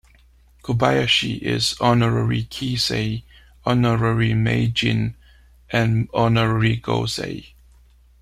Kobayashi is Honorary Kisei, Honorary Meijin and Honorary Gosei.